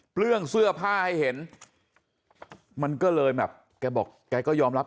เรื่องเสื้อผ้าให้เห็นมันก็เลยแบบแกบอกแกก็ยอมรับ